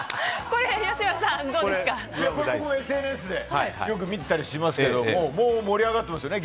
これもＳＮＳでよく見てたりしますけども盛り上がってますよね。